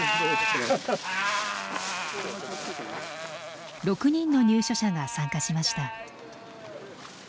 ６人の入所者が参加しました。